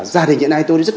gia đình hiện nay tôi rất